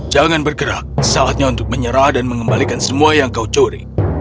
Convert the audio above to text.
jangan bergerak saatnya untuk menyerah dan mengembalikan semua yang kau curi